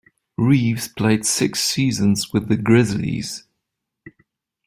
Reeves played six seasons with the Grizzlies.